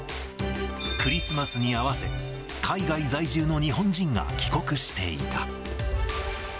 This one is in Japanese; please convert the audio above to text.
クリスマスに合わせ、海外在住の日本人が帰国していた。